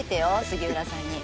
杉浦さんに。